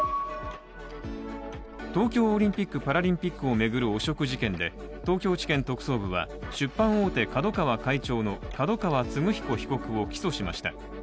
東京オリンピック・パラリンピックを巡る汚職事件で東京地検特捜部は、出版大手・ＫＡＤＯＫＡＷＡ会長の角川歴彦被告を起訴しました。